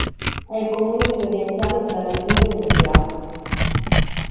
È il comune più orientale della regione Umbria.